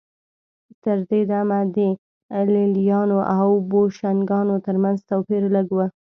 تر دې دمه د لېلیانو او بوشنګانو ترمنځ توپیر لږ و